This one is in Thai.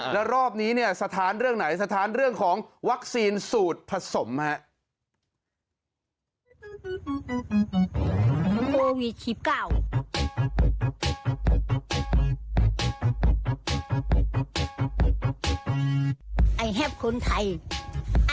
แล้วรอบนี้เนี่ยสถานเรื่องไหนสถานเรื่องของวัคซีนสูตรผสมครับ